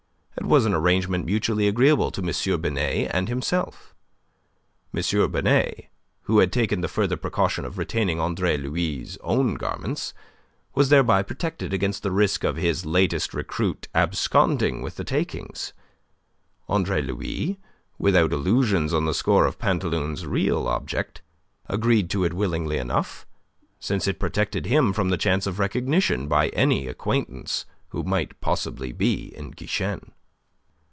It was an arrangement mutually agreeable to M. Binet and himself. M. Binet who had taken the further precaution of retaining Andre Louis' own garments was thereby protected against the risk of his latest recruit absconding with the takings. Andre Louis, without illusions on the score of Pantaloon's real object, agreed to it willingly enough, since it protected him from the chance of recognition by any acquaintance who might possibly be in Guichen.